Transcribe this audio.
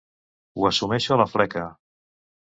Ho assumeixo a la fleca.